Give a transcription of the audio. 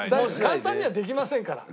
簡単にはできませんから。